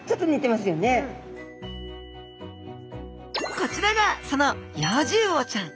こちらがそのヨウジウオちゃん。